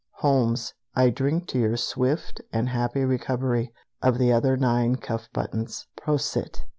Holmes, I drink to your swift and happy recovery of the other nine cuff buttons. Prosit!"